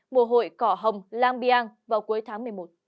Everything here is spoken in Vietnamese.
mùa hội cỏ hồng lang biang vào cuối tháng một mươi một